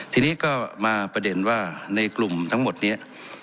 ทีนี้ก็มาประเด็นว่าในกลุ่มทั้งหมดนี้